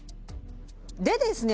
でですね